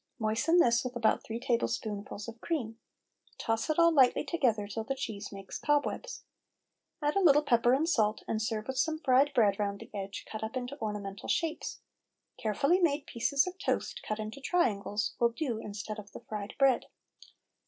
Moisten this with about three tablespoonfuls of cream. Toss it all lightly together till the cheese makes cobwebs. Add a little pepper and salt and serve with some fried bread round the edge cut up into ornamental shapes. Carefully made pieces of toast, cut into triangles, will do instead of the fried bread.